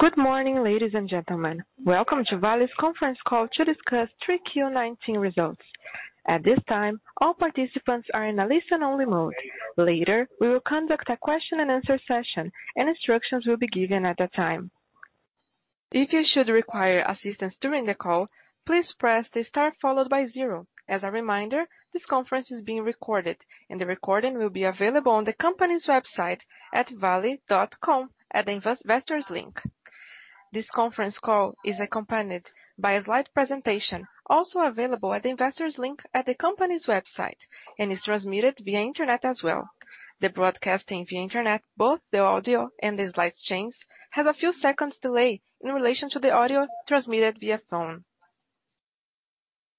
Good morning, ladies and gentlemen. Welcome to Vale's conference call to discuss 3Q19 results. At this time, all participants are in a listen-only mode. Later, we will conduct a question and answer session, and instructions will be given at that time. If you should require assistance during the call, please press the star followed by zero. As a reminder, this conference is being recorded, and the recording will be available on the company's website at vale.com at the investor's link. This conference call is accompanied by a slide presentation, also available at the investor's link at the company's website, and is transmitted via internet as well. The broadcasting via internet, both the audio and the slides changes, has a few seconds delay in relation to the audio transmitted via phone.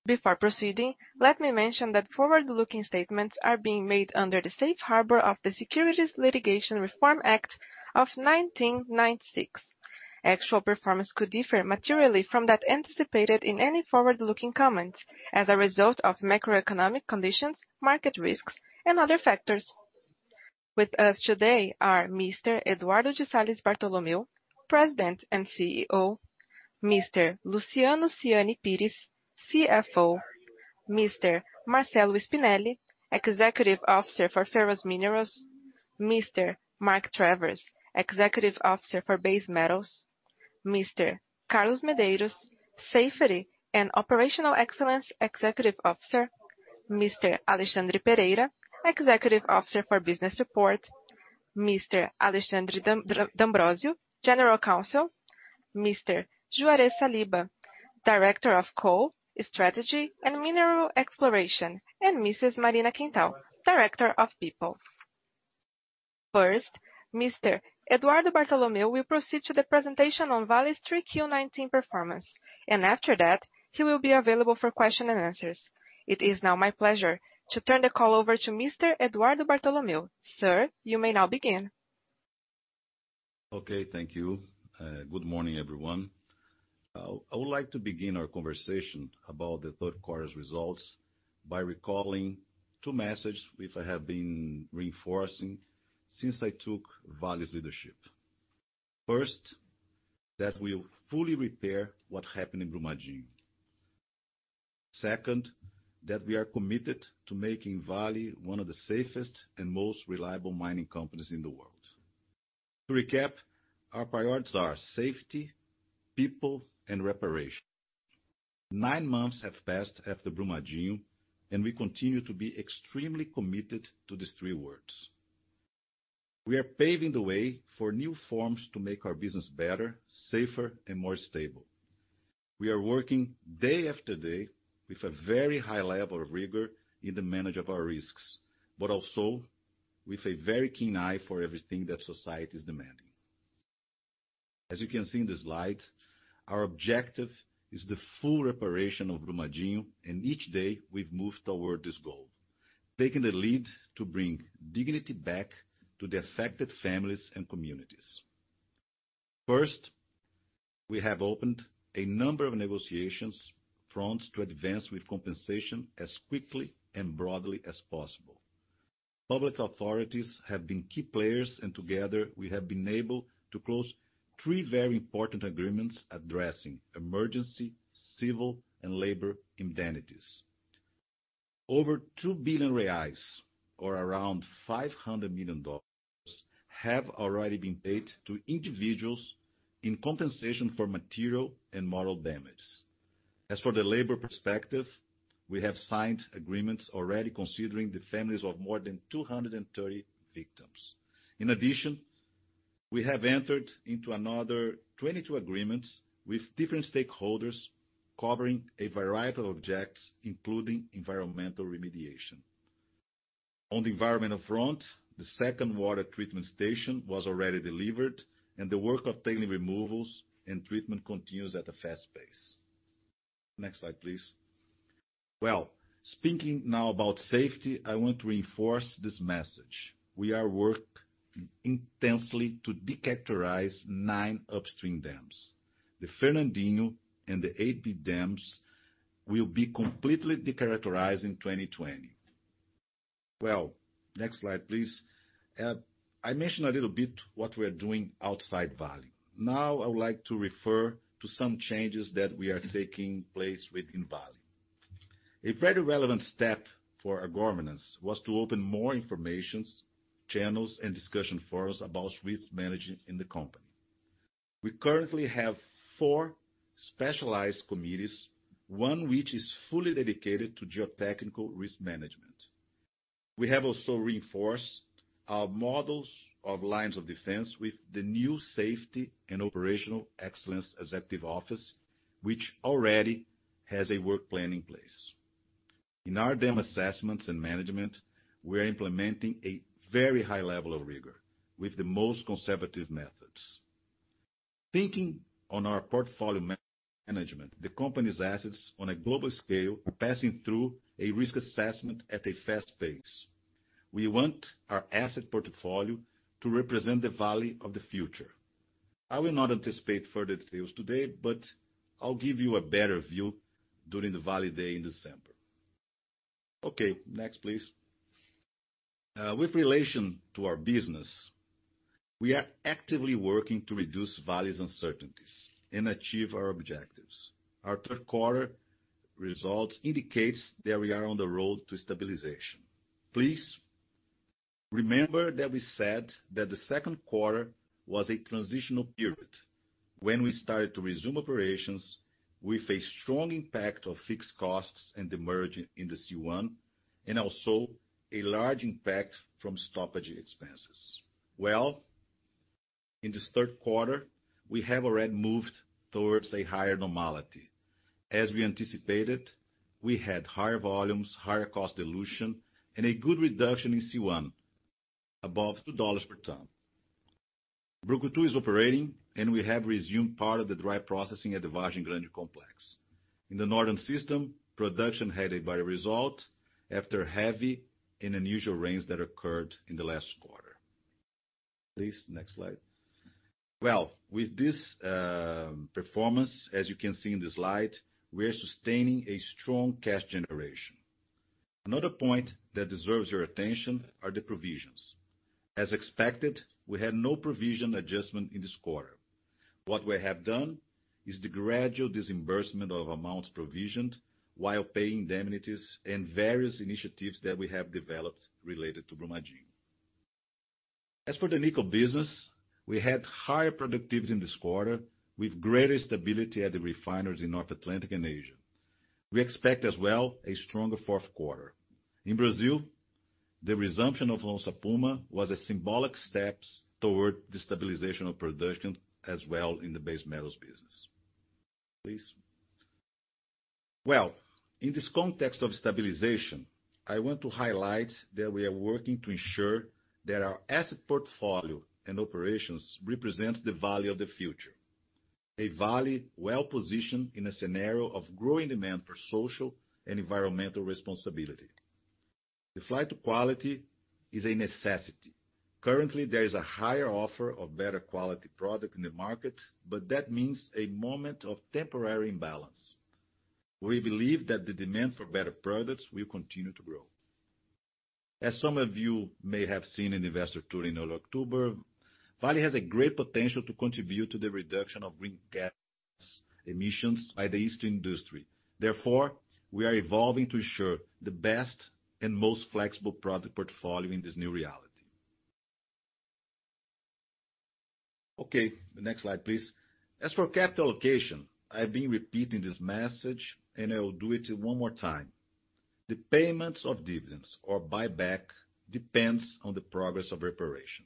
Before proceeding, let me mention that forward-looking statements are being made under the safe harbor of the Securities Litigation Reform Act of 1996. Actual performance could differ materially from that anticipated in any forward-looking comments as a result of macroeconomic conditions, market risks, and other factors. With us today are Mr. Eduardo de Salles Bartolomeo, President and CEO, Mr. Luciano Siani Pires, CFO, Mr. Marcello Spinelli, Executive Officer for Ferrous Minerals, Mr. Mark Travers, Executive Officer for Base Metals, Mr. Carlos Medeiros, Safety and Operational Excellence Executive Officer, Mr. Alexandre Pereira, Executive Officer for Business Support, Mr. Alexandre D'Ambrosio, General Counsel, Mr. Juarez Saliba, Director of Coal, Strategy, and Mineral Exploration, and Mrs. Marina Quintal, Director of People. First, Mr. Eduardo Bartolomeo will proceed to the presentation on Vale's 3Q19 performance. After that, he will be available for question and answers. It is now my pleasure to turn the call over to Mr. Eduardo Bartolomeo. Sir, you may now begin. Okay. Thank you. Good morning, everyone. I would like to begin our conversation about the third quarter's results by recalling two messages, which I have been reinforcing since I took Vale's leadership. First, that we will fully repair what happened in Brumadinho. Second, that we are committed to making Vale one of the safest and most reliable mining companies in the world. To recap, our priorities are safety, people, and reparation. Nine months have passed after Brumadinho, and we continue to be extremely committed to these three words. We are paving the way for new forms to make our business better, safer, and more stable. We are working day after day with a very high level of rigor in the management of our risks, but also with a very keen eye for everything that society is demanding. As you can see in the slide, our objective is the full reparation of Brumadinho, each day we've moved toward this goal, taking the lead to bring dignity back to the affected families and communities. First, we have opened a number of negotiations fronts to advance with compensation as quickly and broadly as possible. Public authorities have been key players, together we have been able to close three very important agreements addressing emergency, civil, and labor indemnities. Over 2 billion reais, or around $500 million, have already been paid to individuals in compensation for material and moral damage. As for the labor perspective, we have signed agreements already considering the families of more than 230 victims. In addition, we have entered into another 22 agreements with different stakeholders covering a variety of objects, including environmental remediation. On the environmental front, the second water treatment station was already delivered, and the work of tailing removals and treatment continues at a fast pace. Next slide, please. Well, speaking now about safety, I want to reinforce this message. We are working intensely to de-characterize nine upstream dams. The Fernandinho and the AP dams will be completely de-characterized in 2020. Well, next slide, please. I mentioned a little bit what we're doing outside Vale. Now, I would like to refer to some changes that we are taking place within Vale. A very relevant step for our governance was to open more information channels and discussion forums about risk management in the company. We currently have four specialized committees, one which is fully dedicated to geotechnical risk management. We have also reinforced our models of lines of defense with the new Safety and Operational Excellence Executive Office, which already has a work plan in place. In our dam assessments and management, we're implementing a very high level of rigor with the most conservative methods. Thinking on our portfolio management, the company's assets on a global scale are passing through a risk assessment at a fast pace. We want our asset portfolio to represent the Vale of the future. I will not anticipate further details today. I'll give you a better view during the Vale Day in December. Okay, next please. With relation to our business, we are actively working to reduce Vale's uncertainties and achieve our objectives. Our third quarter results indicates that we are on the road to stabilization. Please remember that we said that the second quarter was a transitional period when we started to resume operations with a strong impact of fixed costs and the surge in the C1, and also a large impact from stoppage expenses. Well, in this third quarter, we have already moved towards a higher normality. As we anticipated, we had higher volumes, higher cost dilution, and a good reduction in C1 above BRL 2 per ton. Brucutu is operating, and we have resumed part of the dry processing at the Vargem Grande complex. In the Northern System, production headed by result after heavy and unusual rains that occurred in the last quarter. Please, next slide. Well, with this performance, as you can see in this slide, we're sustaining a strong cash generation. Another point that deserves your attention are the provisions. As expected, we had no provision adjustment in this quarter. What we have done is the gradual disbursement of amounts provisioned while paying indemnities and various initiatives that we have developed related to Brumadinho. As for the nickel business, we had higher productivity in this quarter with greater stability at the refiners in North Atlantic and Asia. We expect as well, a stronger fourth quarter. In Brazil, the resumption of Onça Puma was a symbolic steps toward the stabilization of production as well in the base metals business. Please. Well, in this context of stabilization, I want to highlight that we are working to ensure that our asset portfolio and operations represents the value of the future. A value well-positioned in a scenario of growing demand for social and environmental responsibility. The flight to quality is a necessity. Currently, there is a higher offer of better quality product in the market, but that means a moment of temporary imbalance. We believe that the demand for better products will continue to grow. As some of you may have seen in investor tour in early October, Vale has a great potential to contribute to the reduction of greenhouse gas emissions by the steel industry. We are evolving to ensure the best and most flexible product portfolio in this new reality. Okay, the next slide, please. As for capital allocation, I've been repeating this message and I will do it one more time. The payments of dividends or buyback depends on the progress of reparation.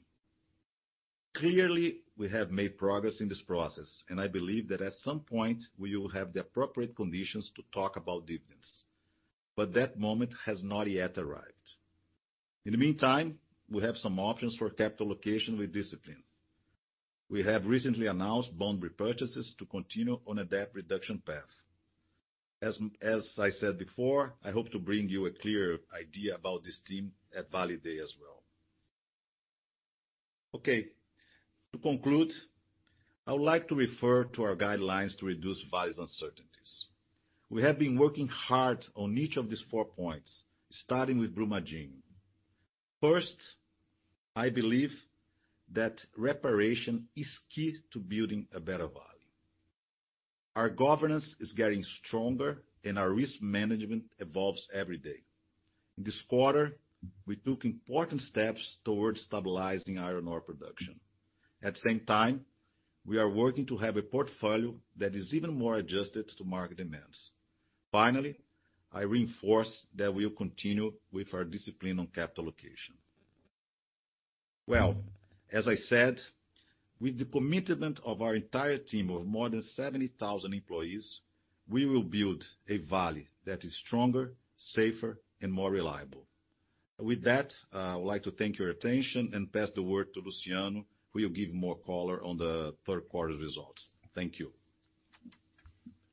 Clearly, we have made progress in this process, and I believe that at some point we will have the appropriate conditions to talk about dividends. That moment has not yet arrived. In the meantime, we have some options for capital allocation with discipline. We have recently announced bond repurchases to continue on a debt reduction path. As I said before, I hope to bring you a clear idea about this team at Vale Day as well. Okay. To conclude, I would like to refer to our guidelines to reduce Vale's uncertainties. We have been working hard on each of these four points, starting with Brumadinho. First, I believe that reparation is key to building a better Vale. Our governance is getting stronger, and our risk management evolves every day. In this quarter, we took important steps towards stabilizing iron ore production. At the same time, we are working to have a portfolio that is even more adjusted to market demands. Finally, I reinforce that we'll continue with our discipline on capital allocation. Well, as I said, with the commitment of our entire team of more than 70,000 employees, we will build a Vale that is stronger, safer, and more reliable. With that, I would like to thank your attention and pass the word to Luciano who will give more color on the third quarter results. Thank you.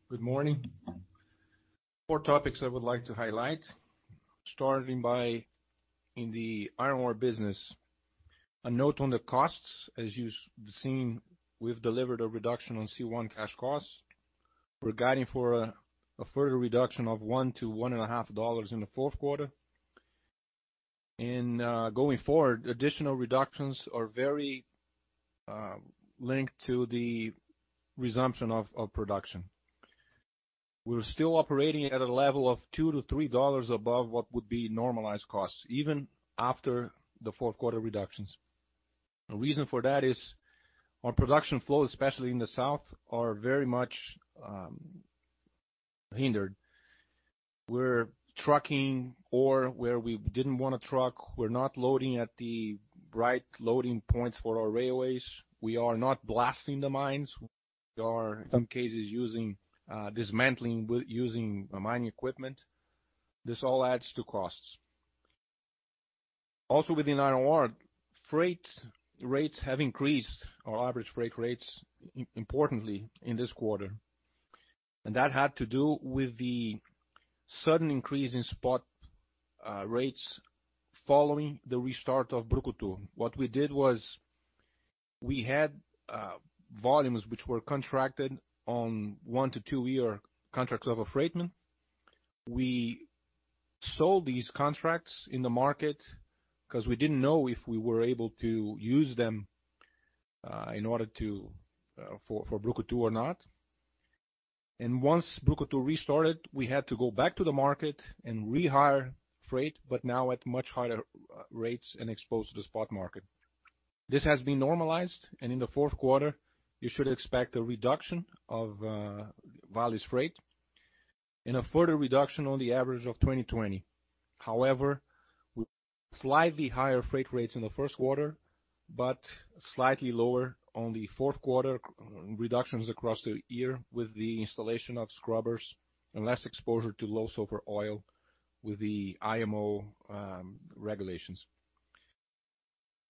Good morning. Four topics I would like to highlight, starting by in the iron ore business. A note on the costs, as you've seen, we've delivered a reduction on C1 cash costs. We're guiding for a further reduction of $1 to $1.50 in the fourth quarter. Going forward, additional reductions are very linked to the resumption of production. We're still operating at a level of $2 to $3 above what would be normalized costs even after the fourth quarter reductions. The reason for that is our production flow, especially in the south, are very much hindered. We're trucking ore where we didn't wanna truck. We're not loading at the right loading points for our railways. We are not blasting the mines. We are in some cases dismantling using mining equipment. This all adds to costs. Within iron ore, freight rates have increased, our average freight rates importantly in this quarter. That had to do with the sudden increase in spot rates following the restart of Brucutu. What we did was, we had volumes which were contracted on one to two-year contracts of a freightman. We sold these contracts in the market because we didn't know if we were able to use them for Brucutu or not. Once Brucutu restarted, we had to go back to the market and rehire freight, but now at much higher rates and exposed to the spot market. This has been normalized, and in the fourth quarter, you should expect a reduction of Vale's freight and a further reduction on the average of 2020. However, slightly higher freight rates in the first quarter, but slightly lower on the fourth quarter reductions across the year with the installation of scrubbers and less exposure to low sulfur oil with the IMO regulations.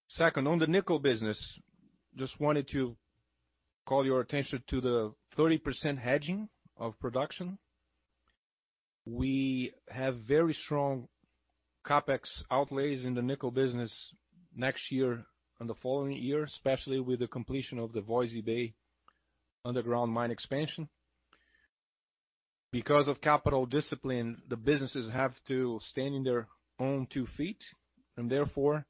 Second, on the nickel business, just wanted to call your attention to the 30% hedging of production. We have very strong CapEx outlays in the nickel business next year and the following year, especially with the completion of the Voisey's Bay underground mine expansion. Because of capital discipline, the businesses have to stand in their own two feet, 30%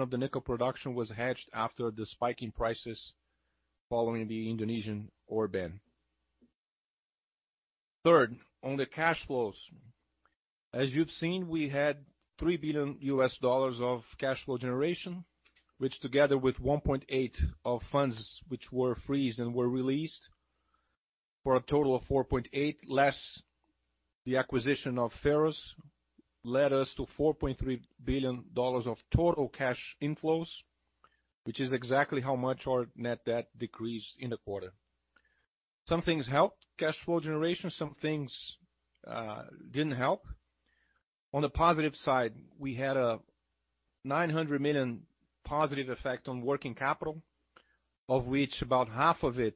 of the nickel production was hedged after the spike in prices following the Indonesian ore ban. Third, on the cash flows. As you've seen, we had $3 billion of cash flow generation, which together with $1.8 billion of funds which were frozen and were released, for a total of $4.8 billion, less the acquisition of Ferrous, led us to $4.3 billion of total cash inflows, which is exactly how much our net debt decreased in the quarter. Some things helped cash flow generation, some things didn't help. On the positive side, we had a $900 million positive effect on working capital, of which about half of it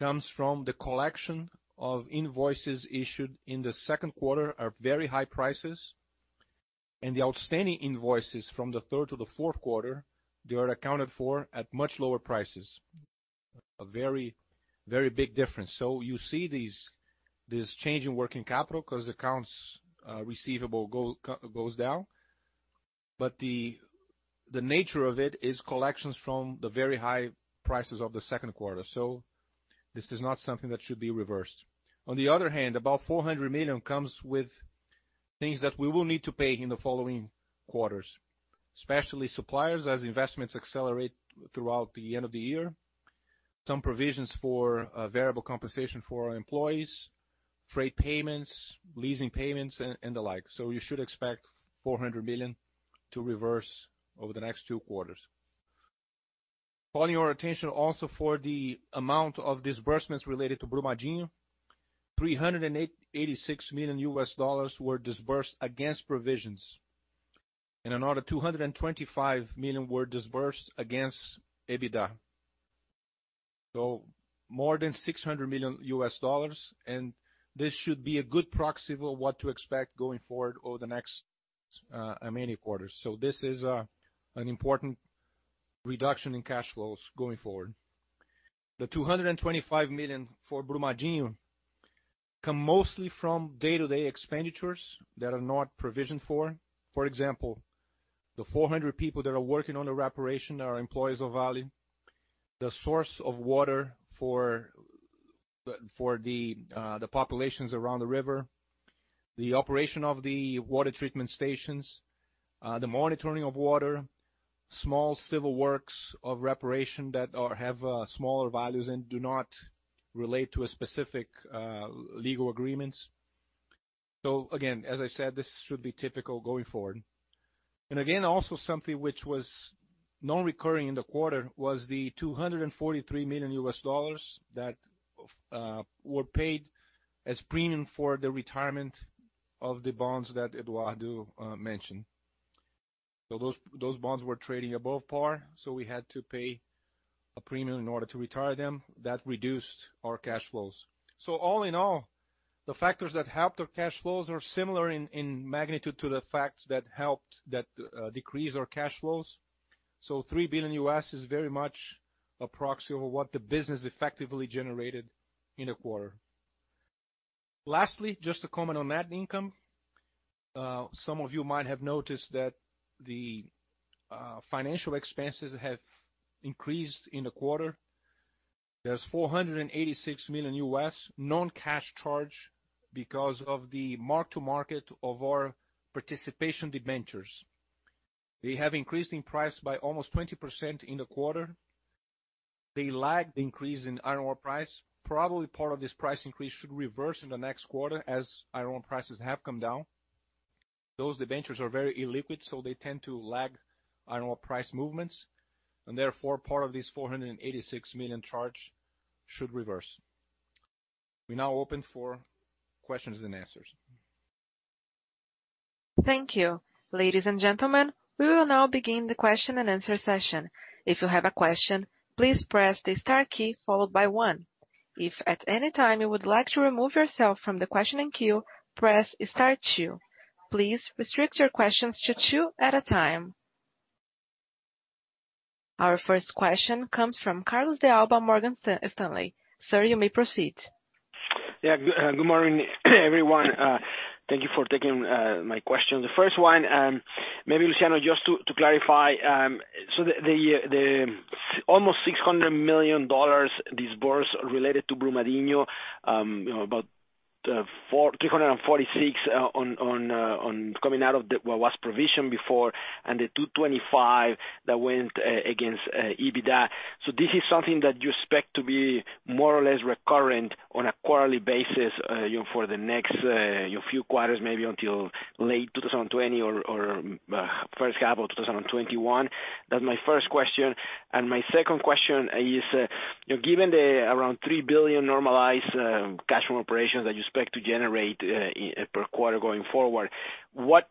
comes from the collection of invoices issued in the second quarter at very high prices, and the outstanding invoices from the third to the fourth quarter, they are accounted for at much lower prices. A very big difference. You see this change in working capital because accounts receivable goes down. The nature of it is collections from the very high prices of the second quarter. This is not something that should be reversed. On the other hand, about $400 million comes with things that we will need to pay in the following quarters, especially suppliers as investments accelerate throughout the end of the year. Some provisions for variable compensation for our employees, freight payments, leasing payments, and the like. You should expect $400 million to reverse over the next two quarters. Calling your attention also for the amount of disbursements related to Brumadinho, $386 million were disbursed against provisions. Another $225 million were disbursed against EBITDA. More than $600 million, and this should be a good proxy for what to expect going forward over the next many quarters. This is an important reduction in cash flows going forward. The 225 million for Brumadinho come mostly from day-to-day expenditures that are not provisioned for. For example, the 400 people that are working on the reparation are employees of Vale. The source of water for the populations around the river. The operation of the water treatment stations, the monitoring of water, small civil works of reparation that have smaller values and do not relate to specific legal agreements. Again, as I said, this should be typical going forward. Again, also something which was non-recurring in the quarter was the $243 million that were paid as premium for the retirement of the bonds that Eduardo mentioned. Those bonds were trading above par, so we had to pay a premium in order to retire them. That reduced our cash flows. All in all, the factors that helped our cash flows are similar in magnitude to the facts that helped that decrease our cash flows. $3 billion US is very much a proxy over what the business effectively generated in a quarter. Lastly, just to comment on net income. Some of you might have noticed that the financial expenses have increased in the quarter. There is $486 million US non-cash charge because of the mark to market of our participation debentures. They have increased in price by almost 20% in the quarter. They lagged the increase in iron ore price. Probably part of this price increase should reverse in the next quarter as iron ore prices have come down. Those debentures are very illiquid, so they tend to lag iron ore price movements, and therefore, part of this $486 million charge should reverse. We are now open for questions and answers. Thank you. Ladies and gentlemen, we will now begin the question and answer session. If you have a question, please press the star key followed by one. If at any time you would like to remove yourself from the question and queue, press star two. Please restrict your questions to two at a time. Our first question comes from Carlos de Alba, Morgan Stanley. Sir, you may proceed. Yeah. Good morning, everyone. Thank you for taking my question. The first one, maybe Luciano, just to clarify. The almost BRL 600 million disbursed related to Brumadinho, about 346 coming out of what was provisioned before, and the 225 that went against EBITDA. This is something that you expect to be more or less recurrent on a quarterly basis for the next few quarters, maybe until late 2020 or first half of 2021? That's my first question. My second question is, given the around 3 billion normalized cash from operations that you expect to generate per quarter going forward, what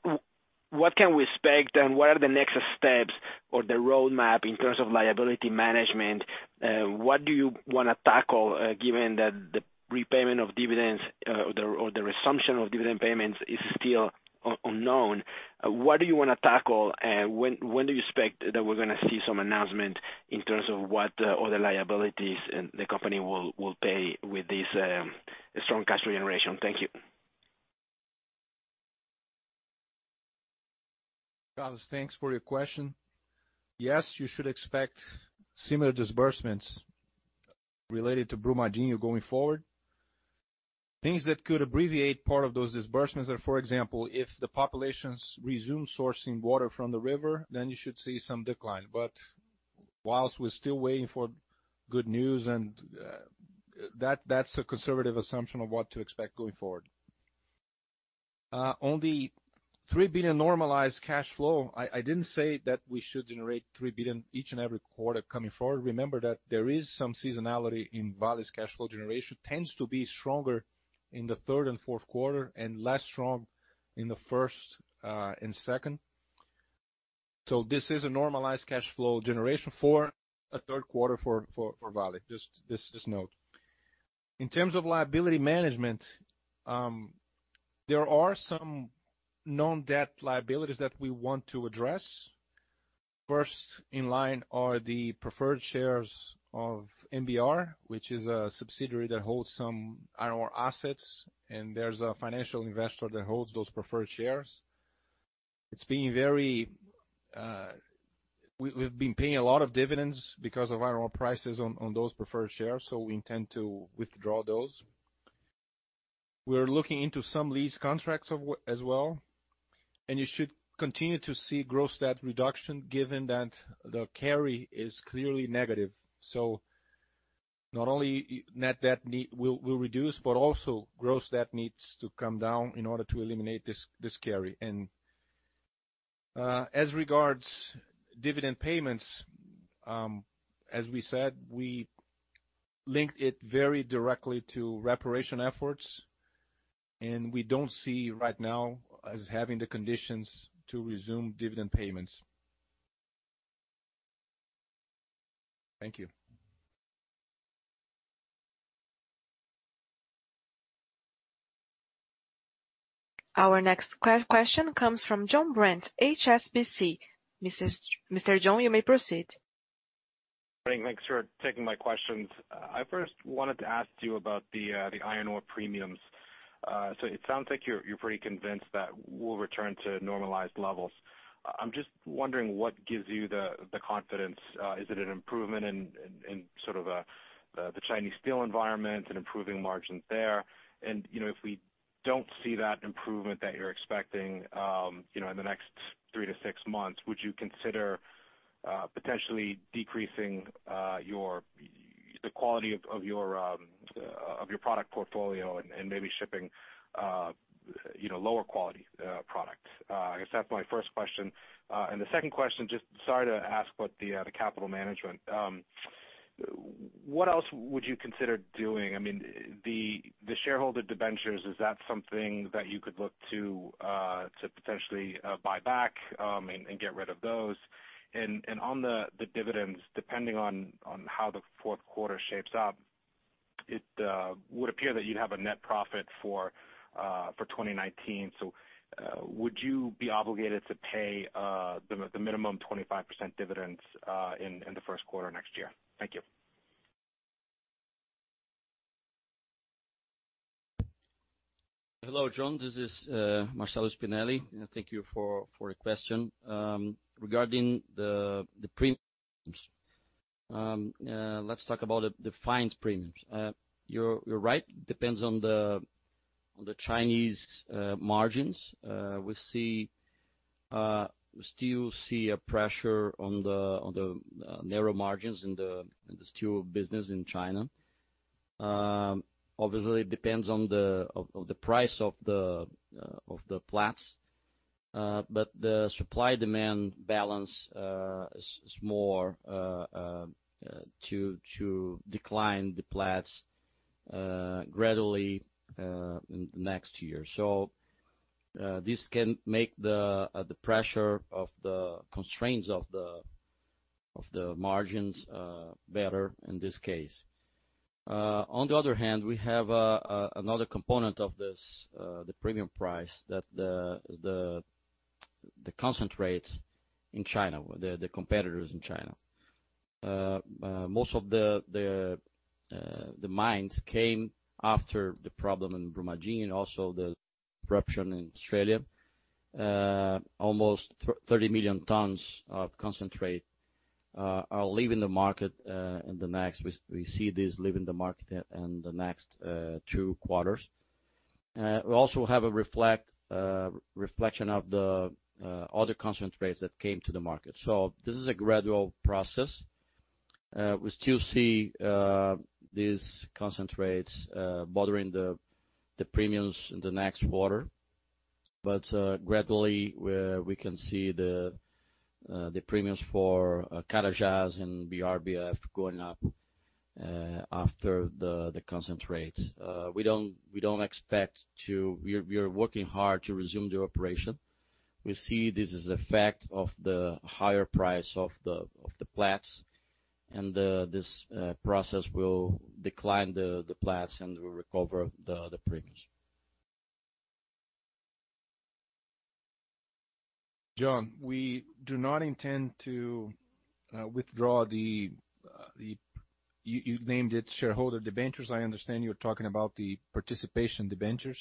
can we expect and what are the next steps or the roadmap in terms of liability management? What do you want to tackle, given that the repayment of dividends or the resumption of dividend payments is still unknown? What do you want to tackle, and when do you expect that we're going to see some announcement in terms of what other liabilities the company will pay with this strong cash generation? Thank you. Carlos, thanks for your question. Yes, you should expect similar disbursements related to Brumadinho going forward. Things that could abbreviate part of those disbursements are, for example, if the populations resume sourcing water from the river, you should see some decline. Whilst we're still waiting for good news, that's a conservative assumption of what to expect going forward. On the 3 billion normalized cash flow, I didn't say that we should generate 3 billion each and every quarter coming forward. Remember that there is some seasonality in Vale's cash flow generation. Tends to be stronger in the third and fourth quarter and less strong in the first and second. This is a normalized cash flow generation for a third quarter for Vale. Just this note. In terms of liability management, there are some known debt liabilities that we want to address. First in line are the preferred shares of MBR, which is a subsidiary that holds some iron ore assets, and there's a financial investor that holds those preferred shares. We've been paying a lot of dividends because of iron ore prices on those preferred shares. We intend to withdraw those. We're looking into some lease contracts as well. You should continue to see gross debt reduction given that the carry is clearly negative. Not only net debt will reduce, but also gross debt needs to come down in order to eliminate this carry. As regards dividend payments, as we said, we linked it very directly to reparation efforts, and we don't see right now as having the conditions to resume dividend payments. Thank you. Our next question comes from John Brent, HSBC. Mr. John, you may proceed. Thanks for taking my questions. I first wanted to ask you about the iron ore premiums. It sounds like you're pretty convinced that we'll return to normalized levels. I'm just wondering what gives you the confidence. Is it an improvement in sort of the Chinese steel environment and improving margins there? If we don't see that improvement that you're expecting in the next three to six months, would you consider potentially decreasing the quality of your product portfolio and maybe shipping lower quality product? I guess that's my first question. The second question, just sorry to ask, but the capital management. What else would you consider doing? I mean, the shareholder debentures, is that something that you could look to potentially buy back and get rid of those? On the dividends, depending on how the fourth quarter shapes up, it would appear that you'd have a net profit for 2019. Would you be obligated to pay the minimum 25% dividends in the first quarter next year? Thank you. Hello, John. This is Marcello Spinelli. Thank you for the question. Regarding the premiums, let's talk about the fines premiums. You're right, depends on the Chinese margins. We still see a pressure on the narrow margins in the steel business in China. Obviously, it depends on the price of the Platts, but the supply-demand balance is more to decline the Platts gradually in the next year. This can make the pressure of the constraints of the margins better in this case. We have another component of this, the premium price that concentrates in China, the competitors in China. Most of the mines came after the problem in Brumadinho, also the disruption in Australia. Almost 30 million tons of concentrate are leaving the market, we see these leaving the market in the next two quarters. We also have a reflection of the other concentrates that came to the market. This is a gradual process. We still see these concentrates bothering the premiums in the next quarter, gradually, we can see the premiums for Carajás and BRBF going up after the concentrates. We are working hard to resume the operation. We see this as a fact of the higher price of the Platts, and this process will decline the Platts, and will recover the premiums. John, we do not intend to withdraw the, you named it shareholder debentures. I understand you're talking about the participation debentures,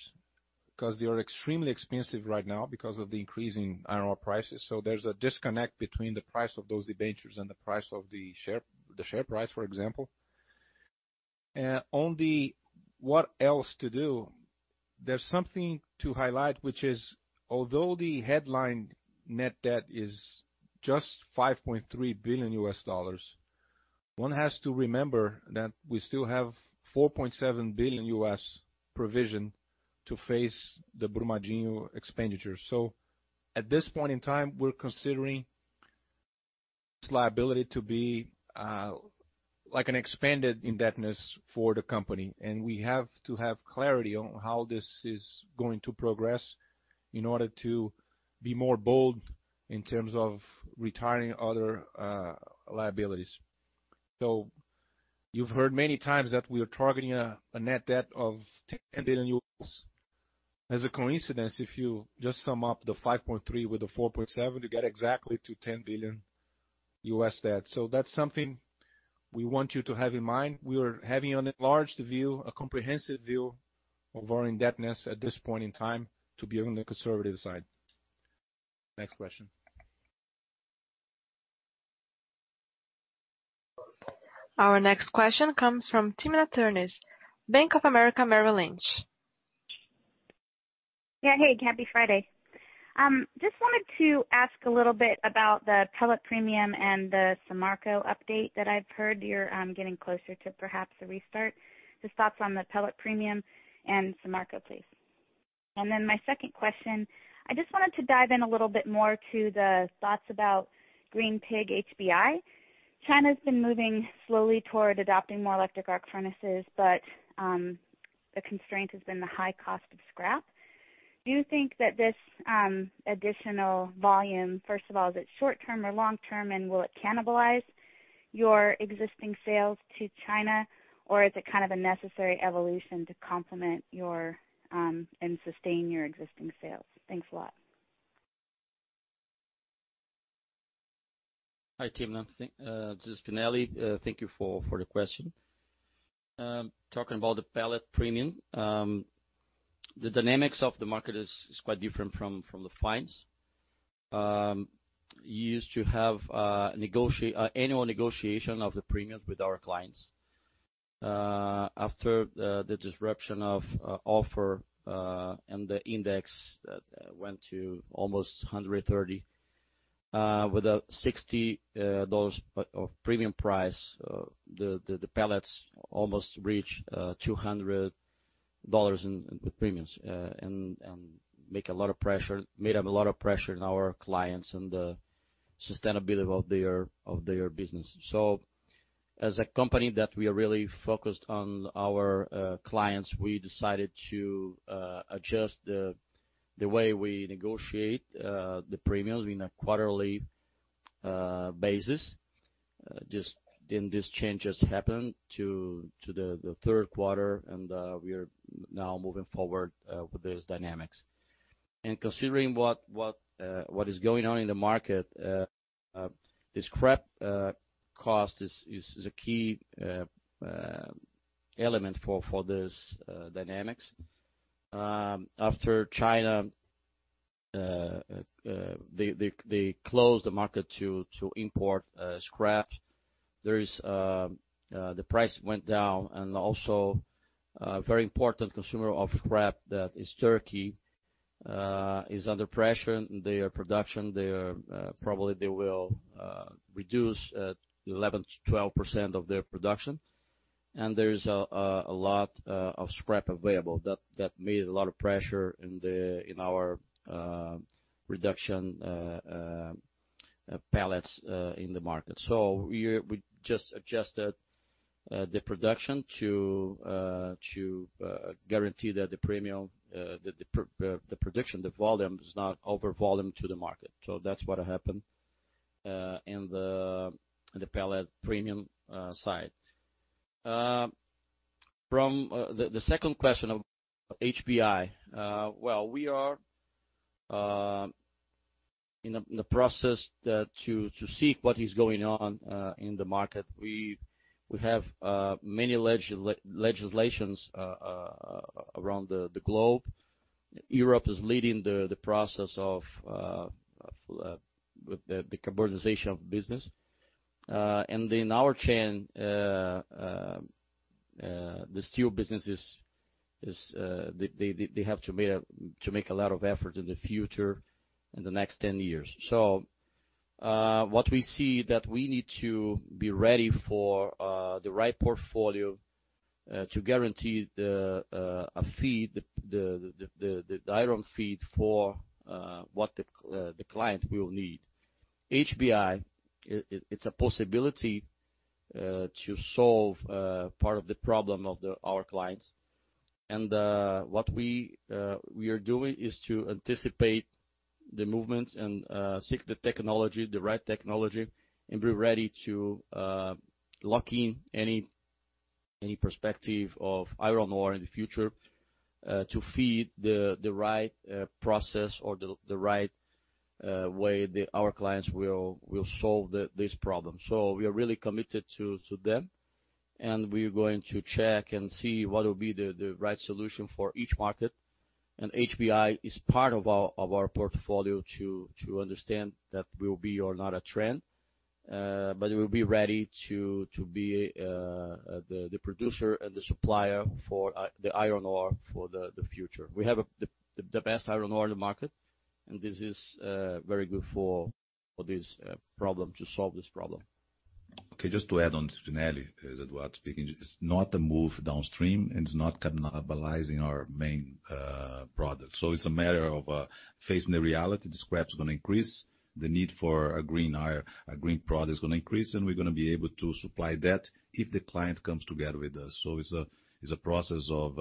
because they are extremely expensive right now because of the increase in iron ore prices. There's a disconnect between the price of those debentures and the price of the share price, for example. On the what else to do, there's something to highlight, which is, although the headline net debt is just $5.3 billion, one has to remember that we still have $4.7 billion provision to face the Brumadinho expenditures. At this point in time, we're considering this liability to be like an expanded indebtedness for the company. We have to have clarity on how this is going to progress in order to be bolder in terms of retiring other liabilities. You've heard many times that we are targeting a net debt of $10 billion. As a coincidence, if you just sum up the $5.3 with the $4.7, you get exactly to $10 billion US debt. That's something we want you to have in mind. We are having an enlarged view, a comprehensive view of our indebtedness at this point in time to be on the conservative side. Next question. Our next question comes from Timna Tanners, Bank of America Merrill Lynch. Happy Friday. Just wanted to ask a little bit about the pellet premium and the Samarco update that I've heard you're getting closer to perhaps a restart. Just thoughts on the pellet premium and Samarco, please. My second question, I just wanted to dive in a little bit more to the thoughts about green pig iron, HBI. China's been moving slowly toward adopting more electric arc furnaces, but the constraint has been the high cost of scrap. Do you think that this additional volume, first of all, is it short-term or long-term, and will it cannibalize your existing sales to China, or is it kind of a necessary evolution to complement and sustain your existing sales? Thanks a lot. Hi, Timna. This is Marcello Spinelli. Thank you for the question. Talking about the pellet premium, the dynamics of the market is quite different from the fines. Used to have annual negotiation of the premiums with our clients. After the disruption of offer and the index that went to almost 130, with a $60 of premium price, the pellets almost reached $200 in the premiums, and made up a lot of pressure in our clients and the sustainability of their business. As a company that we are really focused on our clients, we decided to adjust the way we negotiate the premiums in a quarterly basis. These changes happened to the third quarter, we are now moving forward with these dynamics. Considering what is going on in the market, the scrap cost is a key element for these dynamics. After China, they closed the market to import scrap. Also a very important consumer of scrap, that is Turkey, is under pressure in their production. Probably they will reduce 11%-12% of their production. There is a lot of scrap available that made a lot of pressure in our reduction pellets in the market. We just adjusted the production to guarantee that the production, the volume, is not over volume to the market. That's what happened in the pellet premium side. From the second question of HBI, well, we are in the process to see what is going on in the market. We have many legislations around the globe. Europe is leading the process of the decarbonization of business. In our chain, the steel businesses, they have to make a lot of effort in the future, in the next 10 years. What we see that we need to be ready for the right portfolio to guarantee the iron feed for what the client will need. HBI, it's a possibility to solve part of the problem of our clients. What we are doing is to anticipate the movement and seek the technology, the right technology, and be ready to lock in any perspective of iron ore in the future to feed the right process or the right way our clients will solve this problem. We are really committed to them, and we are going to check and see what will be the right solution for each market. HBI is part of our portfolio to understand that we will be or not a trend, but it will be ready to be the producer and the supplier for the iron ore for the future. We have the best iron ore in the market. This is very good to solve this problem. Okay, just to add on Spinelli, it's Eduardo speaking. It's not a move downstream, and it's not cannibalizing our main product. It's a matter of facing the reality. The scrap's going to increase. The need for a green product is going to increase, and we're going to be able to supply that if the client comes together with us. It's a process of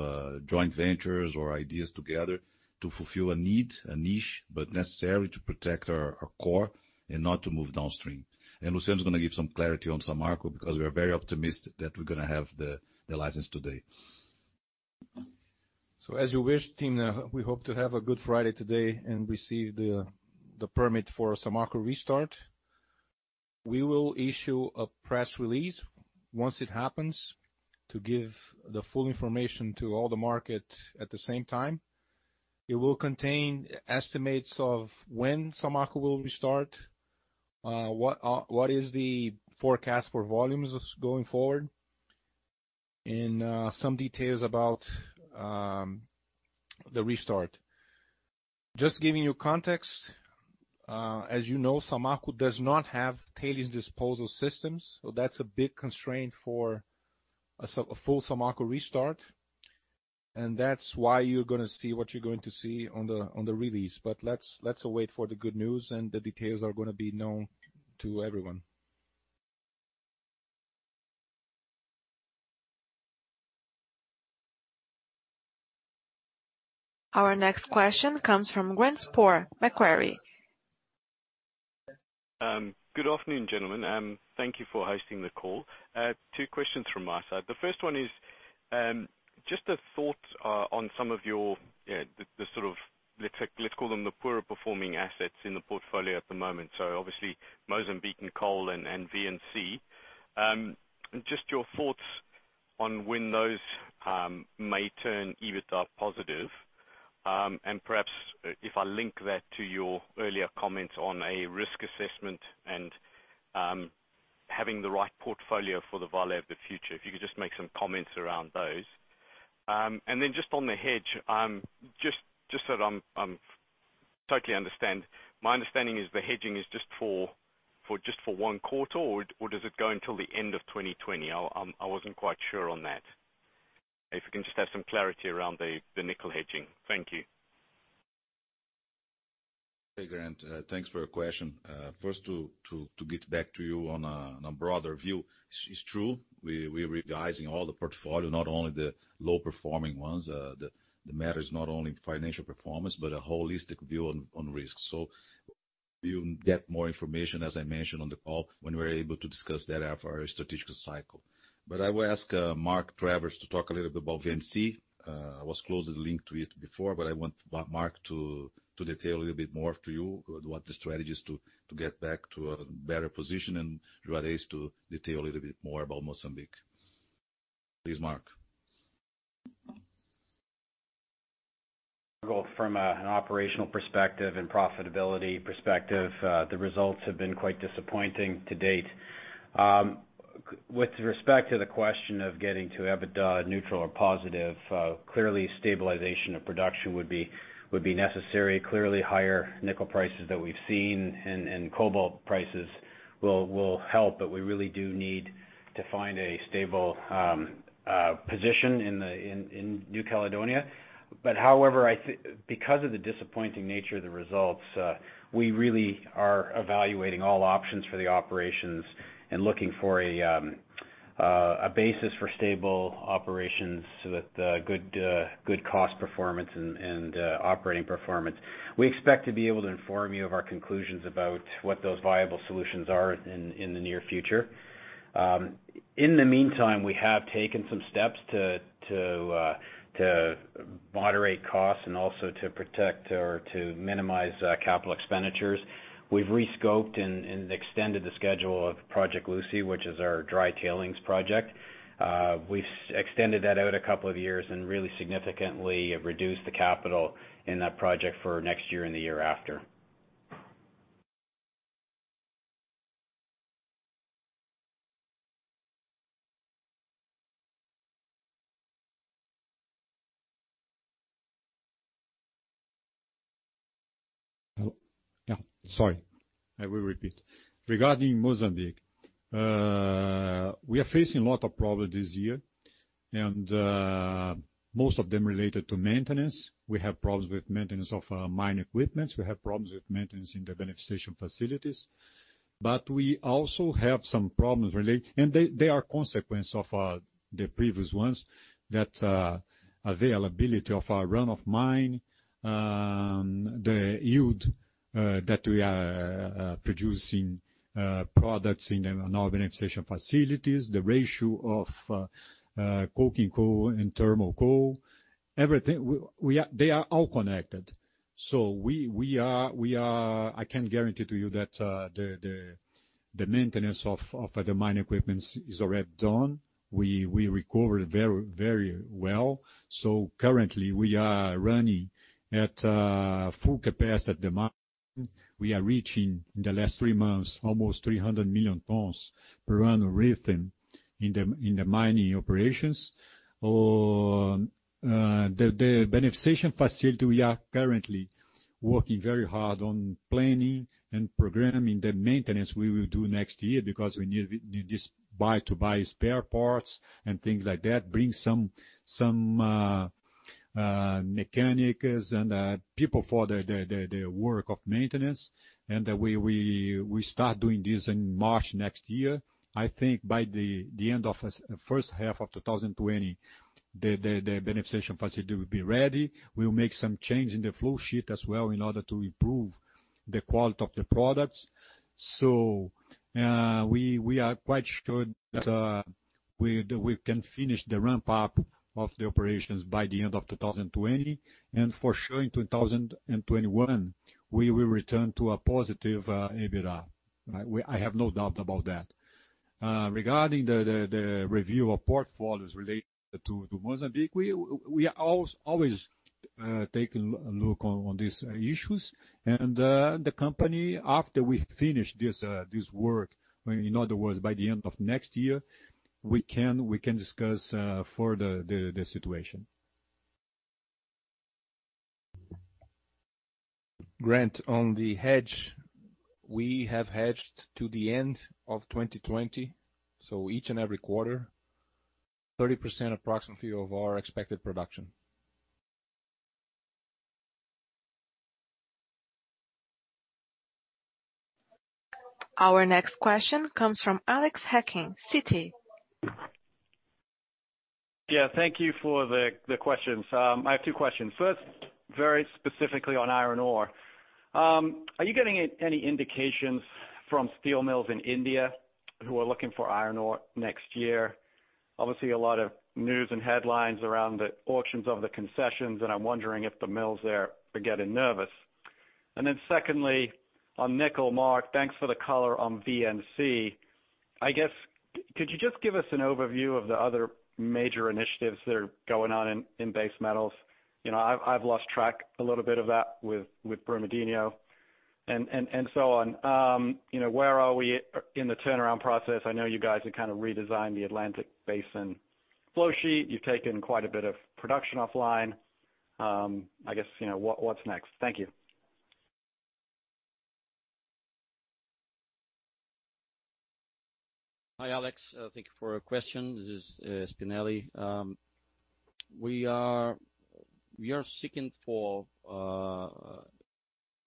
joint ventures or ideas together to fulfill a need, a niche, but necessary to protect our core and not to move downstream. Luciano is going to give some clarity on Samarco because we are very optimistic that we're going to have the license today. As you wish, team, we hope to have a good Friday today and receive the permit for Samarco restart. We will issue a press release once it happens to give the full information to all the market at the same time. It will contain estimates of when Samarco will restart, what is the forecast for volumes going forward, and some details about the restart. Just giving you context, as you know, Samarco does not have tailings disposal systems. That's a big constraint for a full Samarco restart, and that's why you're going to see what you're going to see on the release. Let's await for the good news, and the details are going to be known to everyone. Our next question comes from Grant Sporre, Macquarie. Good afternoon, gentlemen. Thank you for hosting the call. Two questions from my side. The first one is just a thought on some of your, let's call them the poorer performing assets in the portfolio at the moment. Obviously, Mozambique and coal and VNC. Just your thoughts on when those may turn EBITDA positive. Perhaps if I link that to your earlier comments on a risk assessment and having the right portfolio for the Vale of the future, if you could just make some comments around those. Just on the hedge, just so that I totally understand. My understanding is the hedging is just for one quarter, or does it go until the end of 2020? I wasn't quite sure on that. If you can just have some clarity around the nickel hedging. Thank you. Hey, Grant. Thanks for your question. First to get back to you on a broader view. It's true, we're revising all the portfolio, not only the low performing ones. The matter is not only financial performance, but a holistic view on risk. You'll get more information, as I mentioned on the call, when we're able to discuss that at our strategic cycle. I will ask Mark Travers to talk a little bit about VNC. I was closely linked to it before, but I want Mark to detail a little bit more to you what the strategy is to get back to a better position and Juarez to detail a little bit more about Mozambique. Please, Mark. Well, from an operational perspective and profitability perspective, the results have been quite disappointing to date. With respect to the question of getting to EBITDA neutral or positive, clearly stabilization of production would be necessary. Clearly, higher nickel prices that we've seen and cobalt prices will help, but we really do need to find a stable position in New Caledonia. However, because of the disappointing nature of the results, we really are evaluating all options for the operations and looking for a basis for stable operations with good cost performance and operating performance. We expect to be able to inform you of our conclusions about what those viable solutions are in the near future. In the meantime, we have taken some steps to moderate costs and also to protect or to minimize capital expenditures. We've re-scoped and extended the schedule of Project Lucy, which is our dry tailings project. We've extended that out a couple of years and really significantly reduced the capital in that project for next year and the year after. Yeah, sorry. I will repeat. Regarding Mozambique, we are facing a lot of problems this year, and most of them related to maintenance. We have problems with maintenance of our mine equipment. We have problems with maintenance in the beneficiation facilities. We also have some problems related, and they are consequence of the previous ones, that availability of our run of mine, the yield that we are producing products in our beneficiation facilities, the ratio of coking coal and thermal coal, everything. They are all connected. I can guarantee to you that the maintenance of the mine equipment is already done. We recovered very well. Currently, we are running at full capacity at the mine. We are reaching, in the last three months, almost 300 million tons per annum rhythm in the mining operations. On the beneficiation facility, we are currently working very hard on planning and programming the maintenance we will do next year because we need this to buy spare parts and things like that, bring some mechanics and people for the work of maintenance. We start doing this in March next year. I think by the end of the first half of 2020, the beneficiation facility will be ready. We will make some change in the flow sheet as well in order to improve the quality of the products. We are quite sure that we can finish the ramp-up of the operations by the end of 2020. For sure, in 2021, we will return to a positive EBITDA. I have no doubt about that. Regarding the review of portfolios related to Mozambique, we are always taking a look on these issues. The company, after we finish this work, in other words, by the end of next year, we can discuss further the situation. Grant, on the hedge, we have hedged to the end of 2020. Each and every quarter, 30% approximately of our expected production. Our next question comes from Alex Hacking, Citi. Yeah, thank you for the questions. I have two questions. First, very specifically on iron ore. Are you getting any indications from steel mills in India who are looking for iron ore next year? Obviously, a lot of news and headlines around the auctions of the concessions, I'm wondering if the mills there are getting nervous. Secondly, on nickel, Mark, thanks for the color on VNC. I guess, could you just give us an overview of the other major initiatives that are going on in base metals? I've lost track a little bit of that with Brumadinho and so on. Where are we in the turnaround process? I know you guys have kind of redesigned the Atlantic Basin flow sheet. You've taken quite a bit of production offline. I guess, what's next? Thank you. Hi, Alex. Thank you for your question. This is Spinelli. We are seeking for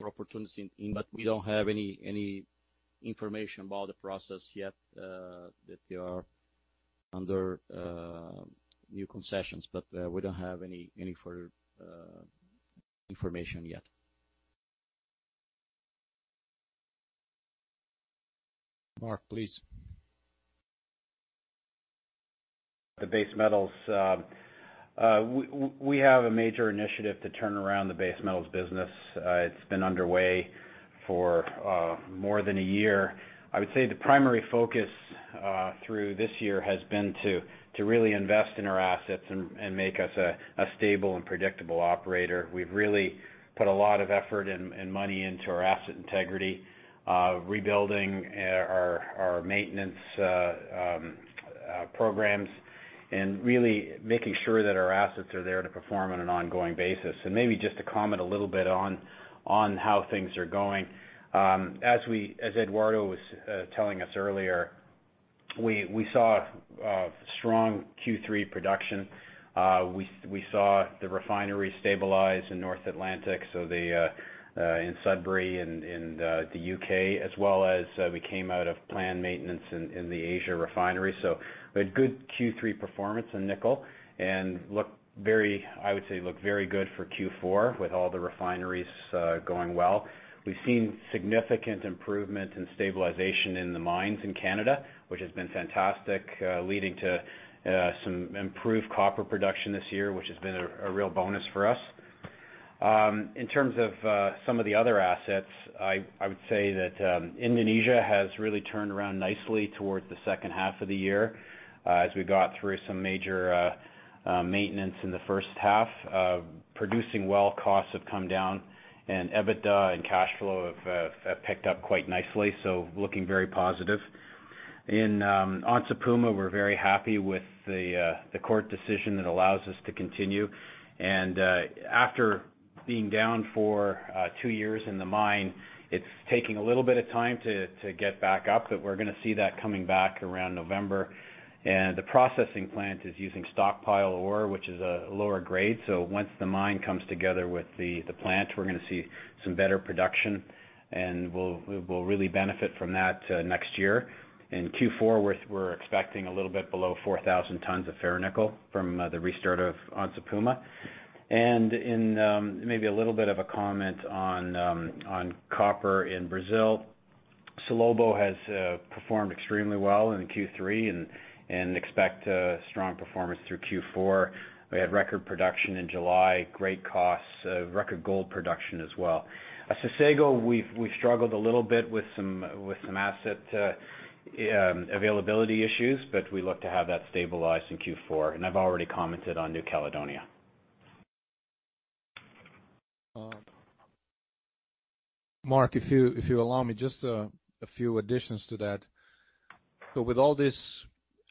opportunities in India. We don't have any information about the process yet that they are under new concessions. We don't have any further information yet. Mark, please. The base metals. We have a major initiative to turn around the base metals business. It's been underway for more than a year. I would say the primary focus through this year has been to really invest in our assets and make us a stable and predictable operator. We've really put a lot of effort and money into our asset integrity, rebuilding our maintenance programs, and really making sure that our assets are there to perform on an ongoing basis. Maybe just to comment a little bit on how things are going. As Eduardo was telling us earlier. We saw a strong Q3 production. We saw the refinery stabilize in North Atlantic, so in Sudbury and in the U.K., as well as we came out of planned maintenance in the Asia refinery. We had good Q3 performance in nickel, and I would say look very good for Q4 with all the refineries going well. We've seen significant improvement in stabilization in the mines in Canada, which has been fantastic, leading to some improved copper production this year, which has been a real bonus for us. In terms of some of the other assets, I would say that Indonesia has really turned around nicely towards the second half of the year, as we got through some major maintenance in the first half. Producing well costs have come down, and EBITDA and cash flow have picked up quite nicely, so looking very positive. In Onça Puma, we're very happy with the court decision that allows us to continue. After being down for 2 years in the mine, it's taking a little bit of time to get back up, but we're going to see that coming back around November. The processing plant is using stockpile ore, which is a lower grade. Once the mine comes together with the plant, we're going to see some better production, and we'll really benefit from that next year. In Q4, we're expecting a little bit below 4,000 tons of ferronickel from the restart of Onça Puma. Maybe a little bit of a comment on copper in Brazil. Salobo has performed extremely well in Q3 and expect strong performance through Q4. We had record production in July, great costs, record gold production as well. At Sossego, we've struggled a little bit with some asset availability issues. We look to have that stabilized in Q4. I've already commented on New Caledonia. Mark, if you allow me, just a few additions to that. With all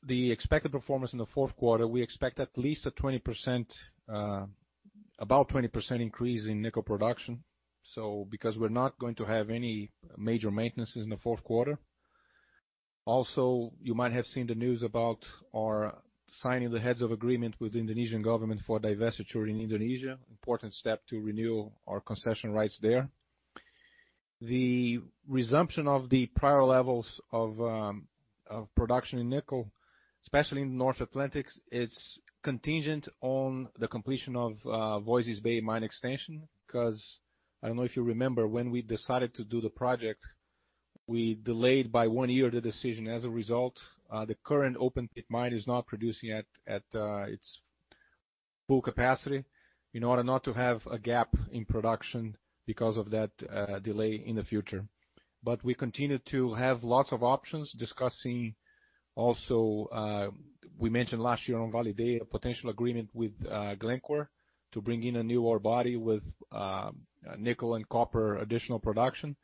this, the expected performance in the fourth quarter, we expect at least about a 20% increase in nickel production, because we're not going to have any major maintenances in the fourth quarter. You might have seen the news about our signing the heads of agreement with Indonesian government for divestiture in Indonesia, important step to renew our concession rights there. The resumption of the prior levels of production in nickel, especially in North Atlantic, it's contingent on the completion of Voisey's Bay mine extension, because I don't know if you remember, when we decided to do the project, we delayed by one year the decision as a result. The current open pit mine is not producing at its full capacity in order not to have a gap in production because of that delay in the future. We continue to have lots of options discussing also, we mentioned last year on Vale Day, a potential agreement with Glencore to bring in a new ore body with nickel and copper additional production.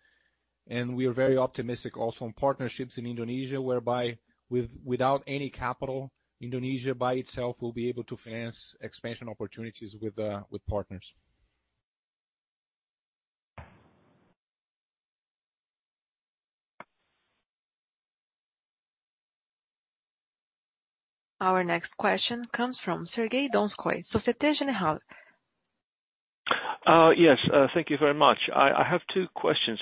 We are very optimistic also on partnerships in Indonesia, whereby without any capital, Indonesia by itself will be able to finance expansion opportunities with partners. Our next question comes from Sergey Donskoy, Societe Generale. Yes, thank you very much. I have two questions.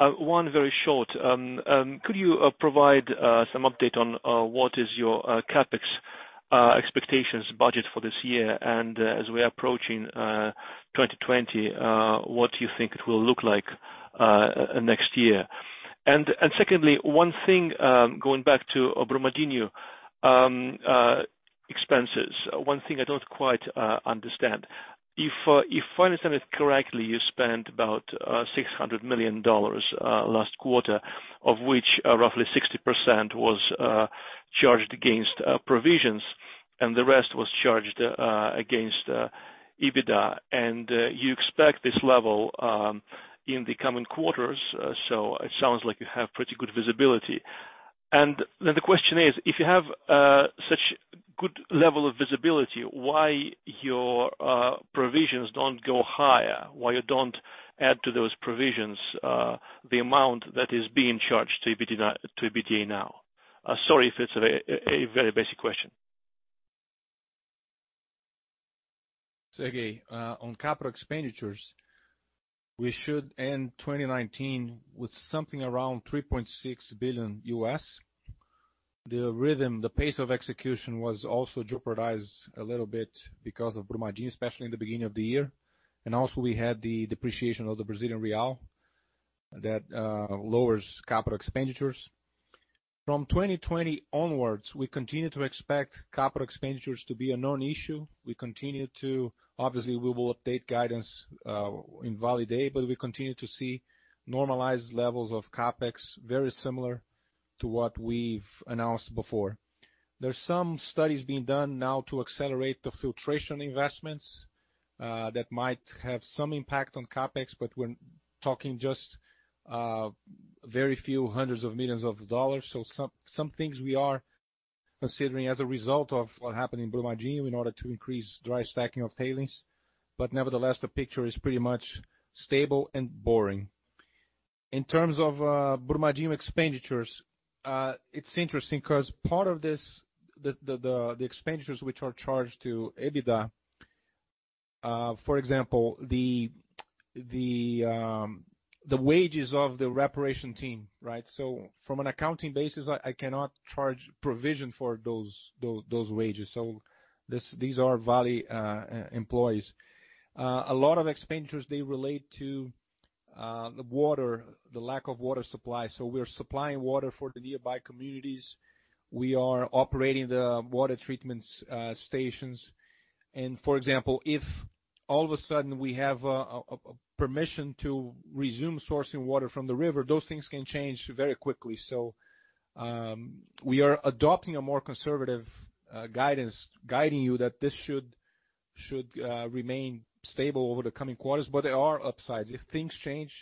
One very short. Could you provide some update on what is your CapEx expectations budget for this year? As we are approaching 2020, what do you think it will look like next year? Secondly, one thing, going back to Brumadinho expenses, one thing I don't quite understand. If I understand it correctly, you spent about $600 million last quarter, of which roughly 60% was charged against provisions, and the rest was charged against EBITDA. You expect this level in the coming quarters, it sounds like you have pretty good visibility. The question is, if you have such good level of visibility, why your provisions don't go higher? Why you don't add to those provisions, the amount that is being charged to EBITDA now? Sorry if it's a very basic question. Sergey, on capital expenditures, we should end 2019 with something around $3.6 billion. The rhythm, the pace of execution was also jeopardized a little bit because of Brumadinho, especially in the beginning of the year. Also we had the depreciation of the Brazilian real that lowers capital expenditures. From 2020 onwards, we continue to expect capital expenditures to be an known issue. Obviously we will update guidance in Vale Day, we continue to see normalized levels of CapEx very similar to what we've announced before. There's some studies being done now to accelerate the filtration investments that might have some impact on CapEx, we're talking just very few hundreds of millions of dollars. Considering as a result of what happened in Brumadinho in order to increase dry stacking of tailings. Nevertheless, the picture is pretty much stable and boring. In terms of Brumadinho expenditures, it's interesting because part of the expenditures which are charged to EBITDA, for example, the wages of the reparation team, right? From an accounting basis, I cannot charge provision for those wages. These are Vale employees. A lot of expenditures relate to the lack of water supply. We are supplying water for the nearby communities. We are operating the water treatment stations. For example, if all of a sudden we have permission to resume sourcing water from the river, those things can change very quickly. We are adopting a more conservative guidance, guiding you that this should remain stable over the coming quarters. There are upsides. If things change,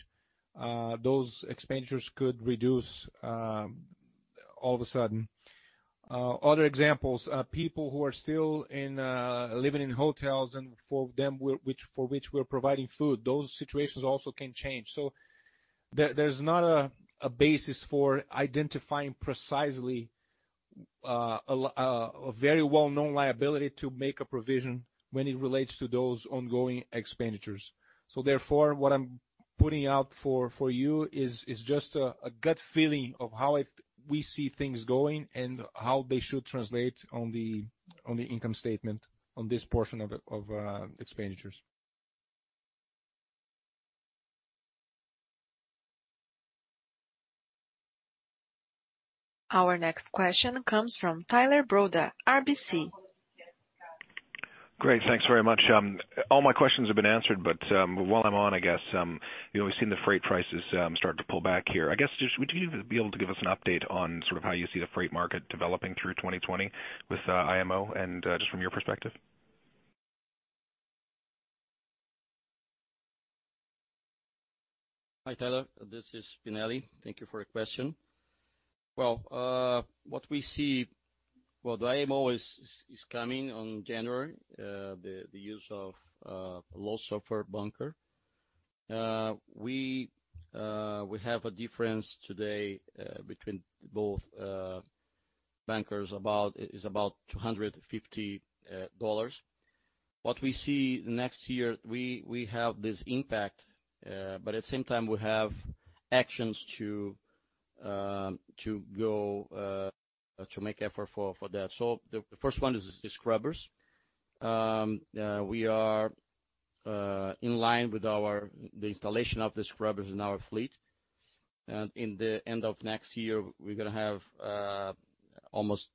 those expenditures could reduce all of a sudden. Other examples, people who are still living in hotels and for which we're providing food, those situations also can change. There's not a basis for identifying precisely a very well-known liability to make a provision when it relates to those ongoing expenditures. What I'm putting out for you is just a gut feeling of how we see things going and how they should translate on the income statement on this portion of expenditures. Our next question comes from Tyler Broda, RBC. Great. Thanks very much. All my questions have been answered, but while I'm on, we've seen the freight prices start to pull back here. I guess, would you be able to give us an update on sort of how you see the freight market developing through 2020 with IMO and just from your perspective? Hi, Tyler, this is Spinelli. Thank you for your question. What we see, the IMO is coming on January, the use of low sulfur bunker. We have a difference today between both bunkers is about $250. What we see next year, we have this impact, but at the same time, we have actions to make effort for that. The first one is the scrubbers. We are in line with the installation of the scrubbers in our fleet. In the end of next year, we're going to have almost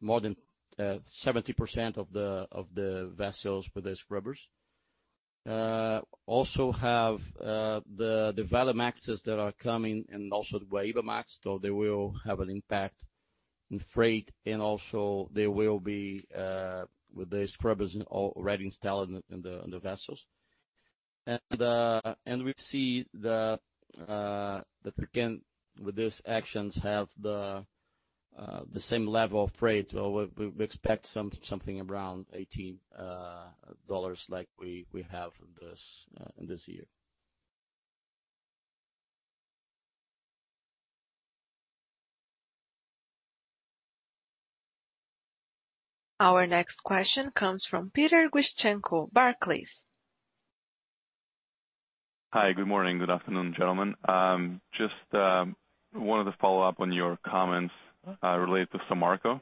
more than 70% of the vessels with the scrubbers. Also have the Valemaxes that are coming and also the Valemax, so they will have an impact in freight and also they will be with the scrubbers already installed in the vessels. We see that we can, with these actions, have the same level of freight. We expect something around BRL 18 like we have in this year. Our next question comes from Peter Grechenko, Barclays. Hi. Good morning. Good afternoon, gentlemen. Just wanted to follow up on your comments related to Samarco.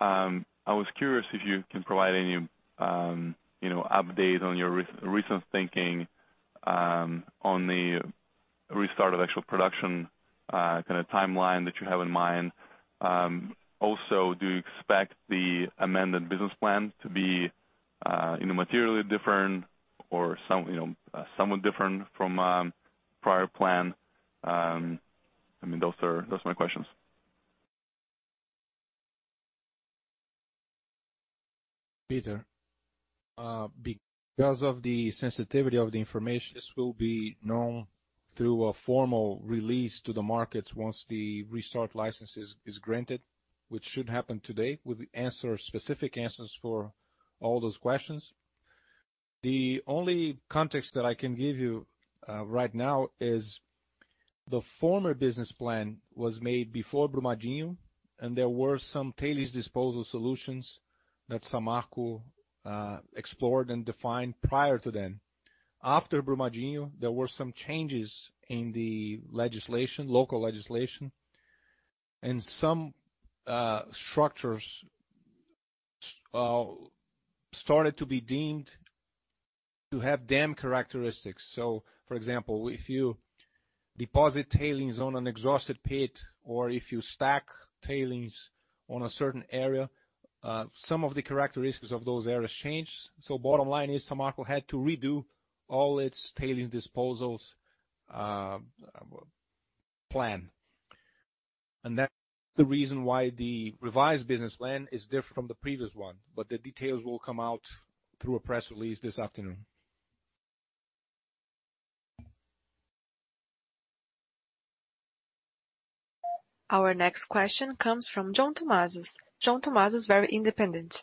I was curious if you can provide any update on your recent thinking on the restart of actual production kind of timeline that you have in mind. Also, do you expect the amended business plan to be materially different or somewhat different from prior plan? Those are my questions. Peter, because of the sensitivity of the information, this will be known through a formal release to the market once the restart license is granted, which should happen today, with specific answers for all those questions. The only context that I can give you right now is the former business plan was made before Brumadinho, and there were some tailings disposal solutions that Samarco explored and defined prior to then. After Brumadinho, there were some changes in the local legislation, and some structures started to be deemed to have dam characteristics. For example, if you deposit tailings on an exhausted pit or if you stack tailings on a certain area, some of the characteristics of those areas change. Bottom line is Samarco had to redo all its tailings disposals plan. That's the reason why the revised business plan is different from the previous one. The details will come out through a press release this afternoon. Our next question comes from John Tumazos. John Tumazos, Very independent.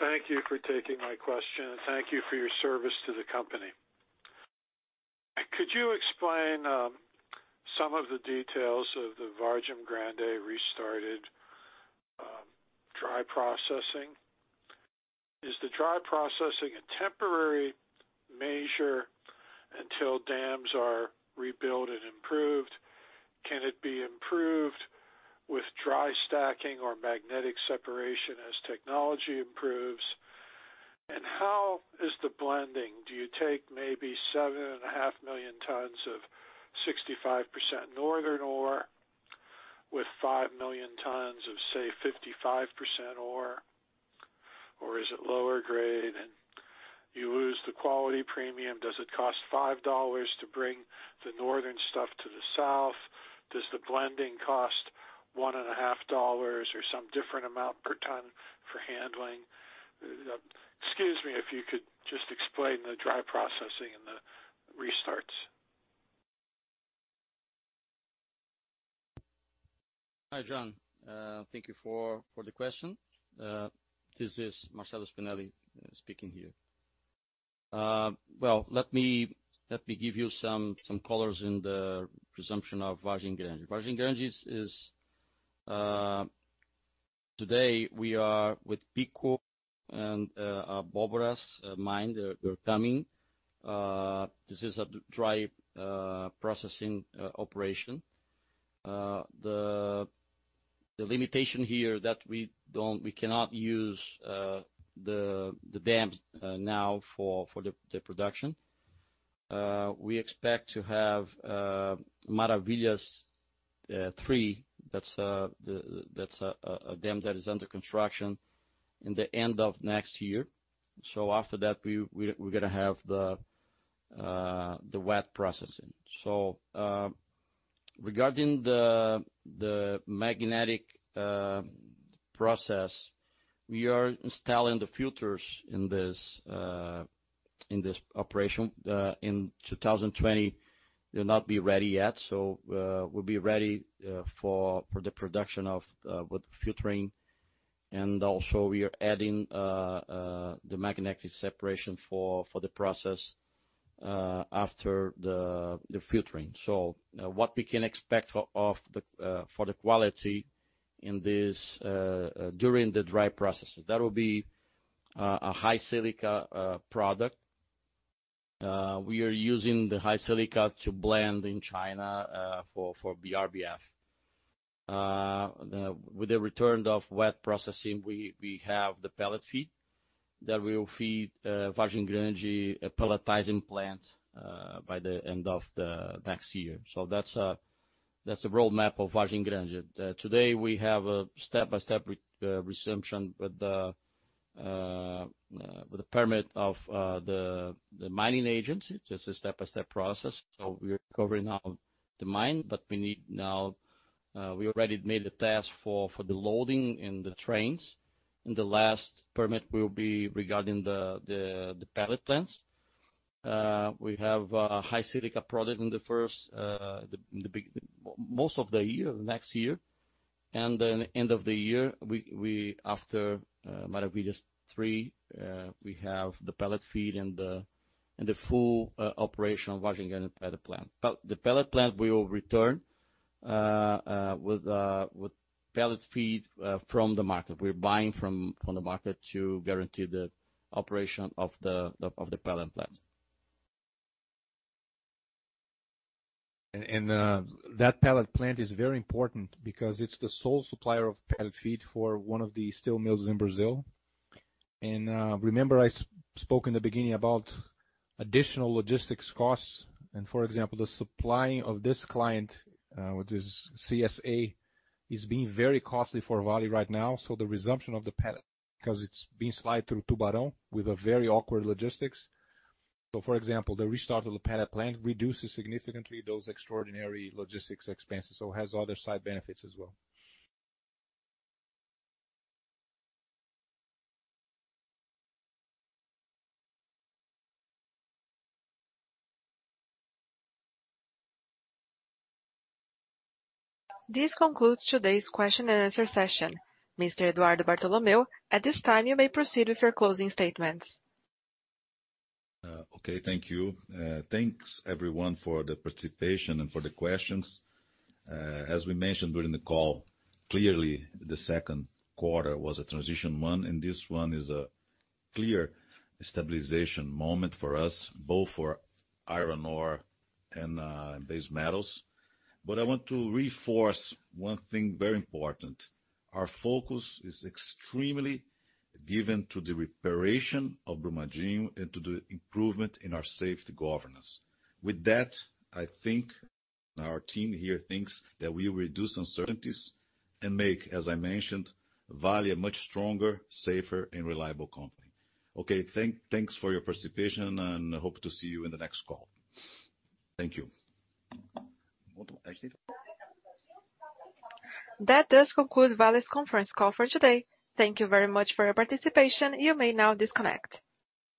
Thank you for taking my question. Thank you for your service to the company. Could you explain some of the details of the Vargem Grande restarted dry processing? Is the dry processing a temporary measure until dams are rebuilt and improved? Can it be improved with dry stacking or magnetic separation as technology improves? How is the blending? Do you take maybe 7.5 million tons of 65% northern ore with 5 million tons of, say, 55% ore? Is it lower grade, and you lose the quality premium? Does it cost $5 to bring the northern stuff to the south? Does the blending cost $1.5 or some different amount per ton for handling? Excuse me, if you could just explain the dry processing and the restarts. Hi, John. Thank you for the question. This is Marcello Spinelli speaking here. Well, let me give you some colors in the presumption of Vargem Grande. Vargem Grande, today we are with Pico and Borborema Mine. They're coming. This is a dry processing operation. The limitation here that we cannot use the dams now for the production. We expect to have Maravilhas III, that's a dam that is under construction, in the end of next year. After that, we're gonna have the wet processing. Regarding the magnetic process, we are installing the filters in this operation. In 2020, they'll not be ready yet, we'll be ready for the production with filtering. Also we are adding the magnetic separation for the process after the filtering. What we can expect for the quality during the dry processes, that will be a high silica product. We are using the high silica to blend in China for BRBF. With the return of wet processing, we have the pellet feed that will feed Vargem Grande pelletizing plant by the end of next year. That's the roadmap of Vargem Grande. Today we have a step-by-step resumption with the permit of the mining agency. Just a step-by-step process. We're covering up the mine, but we already made a test for the loading and the trains. The last permit will be regarding the pellet plants. We have a high silica product in most of the year, next year. Then end of the year, after Maravilhas III, we have the pellet feed and the full operation of Vargem Grande pellet plant. The pellet plant will return with pellet feed from the market. We're buying from the market to guarantee the operation of the pellet plant. That pellet plant is very important because it's the sole supplier of pellet feed for one of the steel mills in Brazil. Remember I spoke in the beginning about additional logistics costs and, for example, the supplying of this client, which is CSA, is being very costly for Vale right now. The resumption of the pellet, because it's being supplied through Tubarão with a very awkward logistics. For example, the restart of the pellet plant reduces significantly those extraordinary logistics expenses. It has other side benefits as well. This concludes today's question and answer session. Mr. Eduardo Bartolomeo, at this time you may proceed with your closing statements. Okay. Thank you. Thanks everyone for the participation and for the questions. As we mentioned during the call, clearly the second quarter was a transition one, and this one is a clear stabilization moment for us, both for iron ore and base metals. I want to reinforce one thing very important. Our focus is extremely given to the reparation of Brumadinho and to the improvement in our safety governance. With that, I think our team here thinks that we will reduce uncertainties and make, as I mentioned, Vale a much stronger, safer, and reliable company. Okay, thanks for your participation, and I hope to see you in the next call. Thank you. That does conclude Vale's conference call for today. Thank you very much for your participation. You may now disconnect.